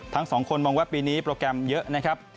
ทั้งสองคนมองว่าปีนี้โปรแกรมเยอะนะครับ